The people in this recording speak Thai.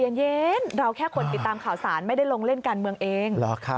เย็นเราแค่คนติดตามข่าวสารไม่ได้ลงเล่นการเมืองเอง